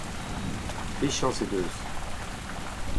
Fiziañs he deus.